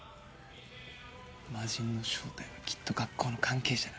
魔人の正体はきっと学校の関係者だ。